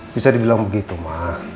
bisa dibilang begitu mak